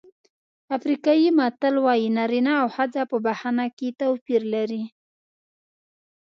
افریقایي متل وایي نارینه او ښځه په بښنه کې توپیر لري.